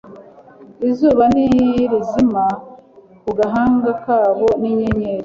Izuba ni rizima ku gahanga kabo n'inyenyeri